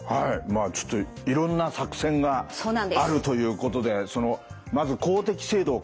まあちょっといろんな作戦があるということでそのまず「公的制度を活用しよう」